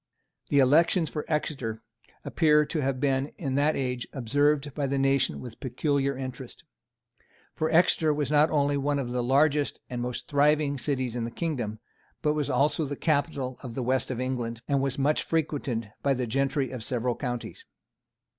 The elections for Exeter appear to have been in that age observed by the nation with peculiar interest. For Exeter was not only one of the largest and most thriving cities in the Kingdom, but was also the capital of the West of England, and was much frequented by the gentry of several counties.